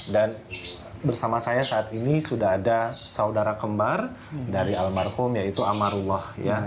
dan bersama saya saat ini sudah ada saudara kembar dari almarhum yaitu amarullah